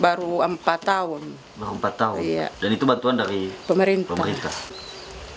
baru empat tahun dan itu bantuan dari pemerintah